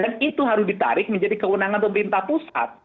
dan itu harus ditarik menjadi kewenangan pemerintah pusat